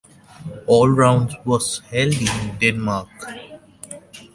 All rounds was held in Denmark.